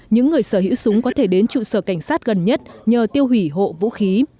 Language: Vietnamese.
những người sở hữu súng có thể đến trụ sở cảnh sát gần nhất nhờ tiêu hủy hộ vũ khí